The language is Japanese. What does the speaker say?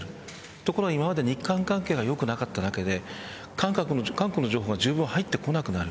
ところが今まで日韓関係が良くなかったわけで韓国の情報がじゅうぶん入ってこなくなる。